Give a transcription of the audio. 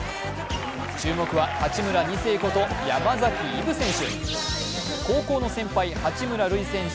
注目は八村２世こと山崎一渉選手。